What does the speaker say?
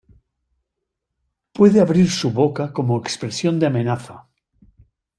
Puede abrir su boca como expresión de amenaza.